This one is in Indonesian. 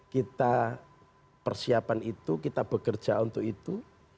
kita persiapan itu kita bekerja untuk itu